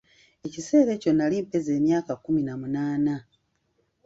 Ekiseera ekyo nnali mpeza emyaka kkumi na munaana.